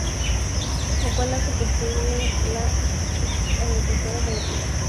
Lo cual hace posible la agricultura molecular.